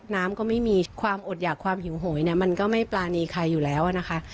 น้ำก็ไม่มีความอดหยากความหิวโหยเนี่ยมันก็ไม่ปรานีใครอยู่แล้วนะคะ